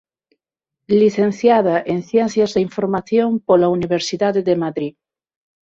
Licenciada en Ciencias da Información pola Universidade de Madrid.